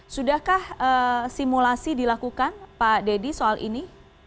sudahkah simulasi dilakukan pak deddy soal ini